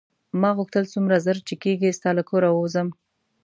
ما غوښتل څومره ژر چې کېږي ستا له کوره ووځم.